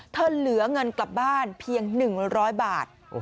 เหลือเงินกลับบ้านเพียง๑๐๐บาท